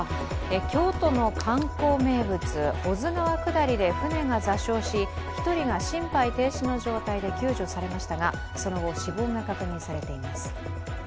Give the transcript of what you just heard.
京都の観光名物、保津川下りで舟が座礁し１人が心肺停止の状態で救助されましたが、その後、死亡が確認されています。